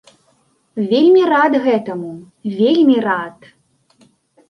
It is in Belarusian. Вельмі рад гэтаму, вельмі рад!